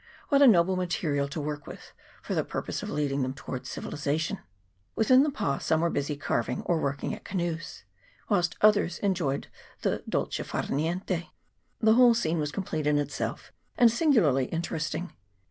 What a noble material to work with for the purpose of leading them towards civilization ! Within the pa some were busy carving, or working at canoes, whilst others enjoyed the dolce far niente. The whole scene was complete in itself, and singularly inter esting.